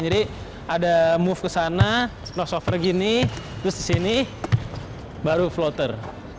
jadi ada move ke sana crossover gini terus di sini baru floater